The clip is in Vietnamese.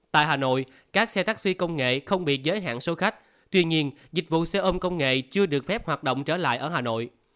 tại hà nội các xe taxi công nghệ không bị giới hạn số khách tuy nhiên dịch vụ xe ôm công nghệ chưa được phép hoạt động trở lại ở hà nội